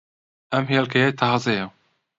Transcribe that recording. ئەم ھێلکەیە تازەیە.